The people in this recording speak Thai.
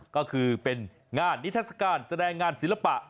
ก็คือเป็นงานนิทัศกาลแสดงงานศิลปะ